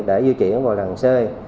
để di chuyển vào hàng xe